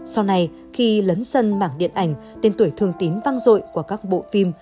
sau này khi lớn sân mảng điện ảnh tên tuổi thương tín vang rội qua các bộ phim